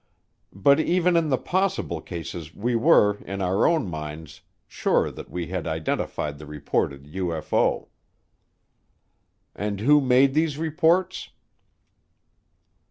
But even in the "Possible" cases we were, in our own minds, sure that we had identified the reported UFO. And who made these reports?